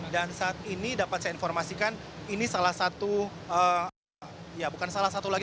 saat ini dapat saya informasikan ini salah satu ya bukan salah satu lagi